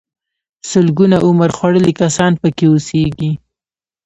سلګونه عمر خوړلي کسان پکې اوسيږي.